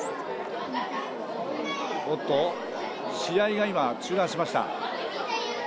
試合が今、中断しました。